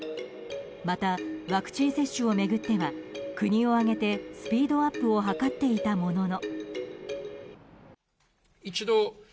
また、ワクチン接種を巡っては国を挙げてスピードアップを図っていたものの。